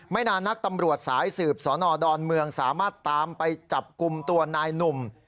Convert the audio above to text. นานนักตำรวจสายสืบสนดอนเมืองสามารถตามไปจับกลุ่มตัวนายหนุ่ม